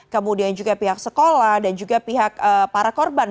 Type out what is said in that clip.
kemudian juga pihak sekolah dan juga pihak para korban